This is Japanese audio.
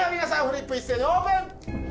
フリップ一斉にオープン！